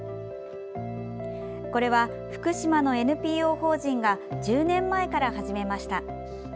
これは、福島のＮＰＯ法人が１０年前から始めました。